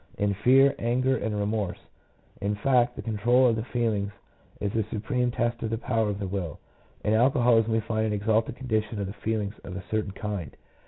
in fear, anger, and remorse ; in fact, the control of the feelings is the supreme test of the power of the will. In alcoholism we find an exalted condition of feelings of a certain kind.